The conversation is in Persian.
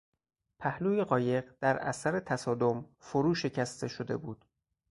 پهلوی قایق در اثر تصادم فرو شکسته شده بود.